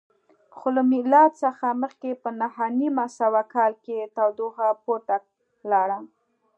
خو له میلاد څخه مخکې په نهه نیم سوه کال کې تودوخه پورته لاړه